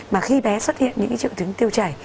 mà khi bé xuất hiện những triệu chứng tiêu chảy